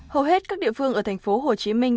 hầu hết các địa phương ở tp hồ chí minh